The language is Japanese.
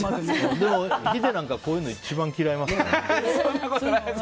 ヒデなんかこういうの一番嫌いますよ。